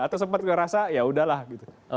atau sempat ngerasa ya udahlah gitu